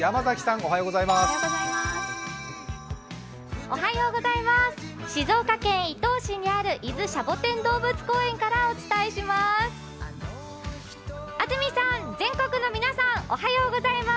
おはようございます、静岡県伊東市にある伊豆シャボテン動物公園からお伝えします。